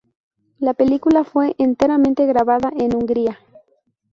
La película fue enteramente grabada en Hungría.